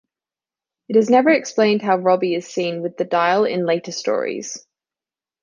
It is never explained how Robby is seen with the dial in later stories.